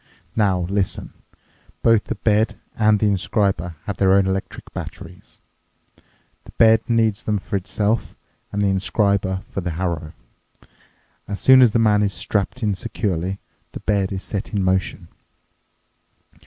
"Now, listen. Both the bed and the inscriber have their own electric batteries. The bed needs them for itself, and the inscriber for the harrow. As soon as the man is strapped in securely, the bed is set in motion.